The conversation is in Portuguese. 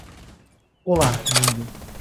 Olá, mundo.